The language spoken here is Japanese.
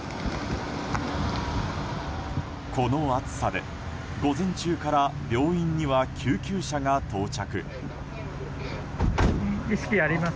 この暑さで午前中から病院には救急車が到着。